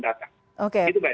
itu baik pak